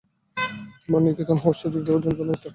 আমাকে নিতকনে হওয়ার সুযোগ দেওয়ার জন্য ধন্যবাদ, স্যারা।